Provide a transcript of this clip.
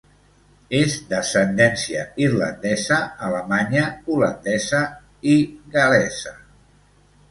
És d'ascendència irlandesa, alemanya, holandesa i gal·lesa.